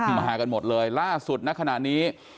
คือมาหากันหมดเลยล่าสุดณขณะนี้